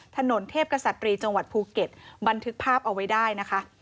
ถนนเทพกษัตรีจังหวัดภูเก็ตบันทึกภาพเอาไว้ได้นะคะ